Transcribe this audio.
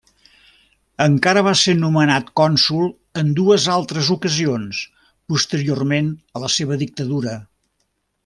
Encara va ser nomenat cònsol en dues altres ocasions, posteriorment a la seva dictadura.